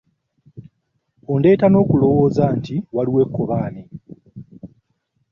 Ondeeta n'okulowooza nti waliwo ekkobaane.